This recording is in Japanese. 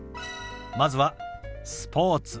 まずは「スポーツ」。